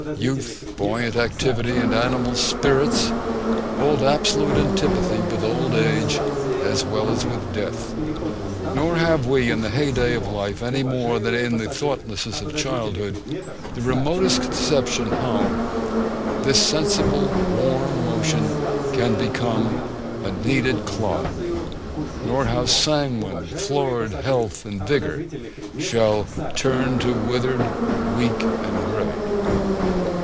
(1) Youth, buoyant activity, and animal spirits, hold absolute antipathy with old age as well as with death; nor have we, in the hey day of life, any more than in the thoughtlessness of childhood, the remotest conception how This sensible warm motion can become A kneaded clod nor how sanguine, florid health and vigour, shall 'turn to withered, weak, and grey.'